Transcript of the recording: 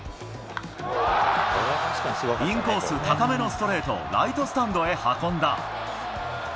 インコース高めのストレートをライトスタンドへ運んだ。